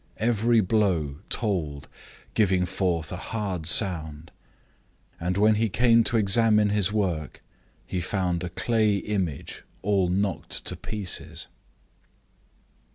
Every blow told, giving forth a hard sound, and when he came to examine his work, he found a clay image all knocked to pieces.